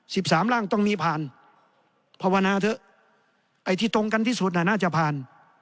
สิบสามร่างต้องมีผ่านภาวนาเถอะไอ้ที่ตรงกันที่สุดน่ะน่าจะผ่าน